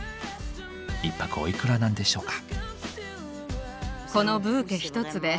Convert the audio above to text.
１泊おいくらなんでしょうか。